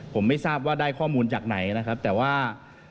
ผมไม่ทราบว่าได้ข้อมูลจากไหนนะครับแต่ว่า